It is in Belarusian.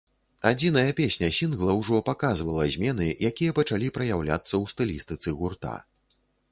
Адзіная песня сінгла ўжо паказвала змены, якія пачалі праяўляцца ў стылістыцы гурта.